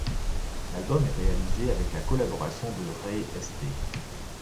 L'album est réalisé avec la collaboration de Ray St.